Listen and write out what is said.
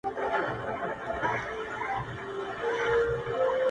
هغه مي سرې سترگي زغملای نسي؛